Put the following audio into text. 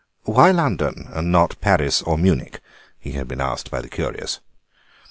"Why London and not Paris or Munich?" he had been asked by the curious.